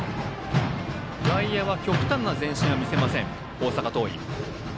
外野は極端な前進は見せない大阪桐蔭。